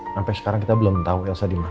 sampai sekarang kita belum tahu elsa dimana